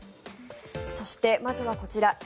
そして、まずはこちら。